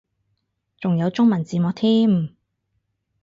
仲有中文字幕添